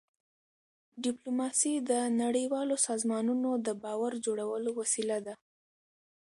ډيپلوماسي د نړیوالو سازمانونو د باور جوړولو وسیله ده.